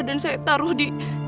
dan saya taruh di